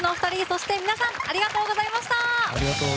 そして皆さんありがとうございました。